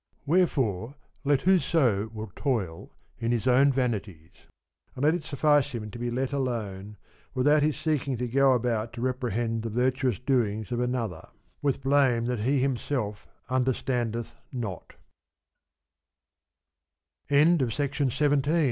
Wherefore let whoso will toil in his own vanities ; and let it suffice him to be let alone, without his seeking to go about to reprehend the virtuous doings of another, with blame that he himself understandet